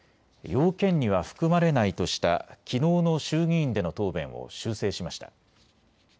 要件には含まれないとしたきのうの衆議院での答弁を修正しました。